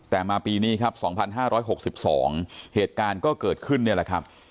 แต่มาปีนี้ครับ๒๕๖๒เหตุการณ์ก็เกิดขึ้นนี่แหละครับ